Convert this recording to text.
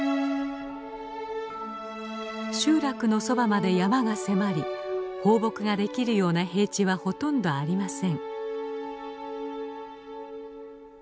集落のそばまで山が迫り放牧ができるような平地はほとんどありません。